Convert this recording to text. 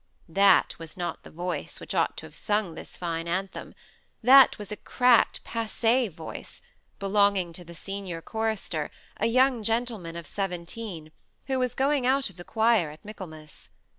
That was not the voice which ought to have sung this fine anthem; that was a cracked, passée voice, belonging to the senior chorister, a young gentleman of seventeen, who was going out of the choir at Michaelmas.